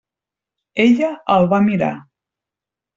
Ella el va mirar.